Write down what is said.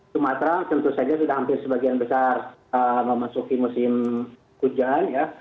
sumatera tentu saja sudah hampir sebagian besar memasuki musim hujan ya